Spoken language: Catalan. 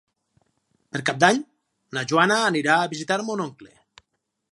Per Cap d'Any na Joana anirà a visitar mon oncle.